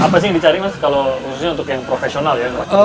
apa sih yang dicari mas kalau khususnya untuk yang profesional ya